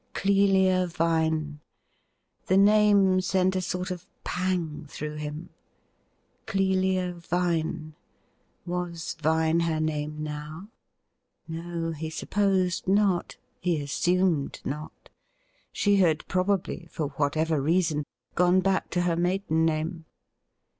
Clelia Vine! The name sent a sort of pang through him. Clelia Vine ! Was Vine her name now ? No, he supposed not, he assumed not. She had probably, for whatever reason, gone back to her maiden name.